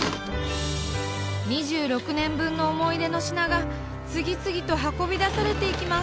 ２６年分の思い出の品が次々と運び出されていきます。